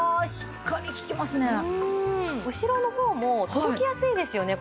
後ろの方も届きやすいですよね